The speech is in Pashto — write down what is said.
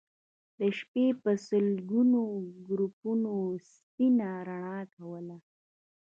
د شپې به سلګونو ګروپونو سپينه رڼا کوله